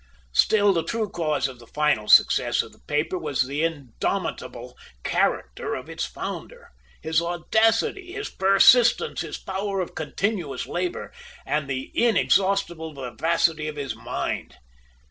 Still, the true cause of the final success of the paper was the indomitable character of its founder, his audacity, his persistence, his power of continuous labor, and the inexhaustible vivacity of his mind.